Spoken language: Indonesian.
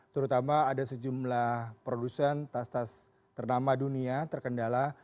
terutama ada sejumlah produsen tas tas ternama dunia terkendala